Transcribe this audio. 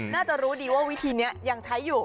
น่าจะรู้ดีว่าวิธีนี้ยังใช้อยู่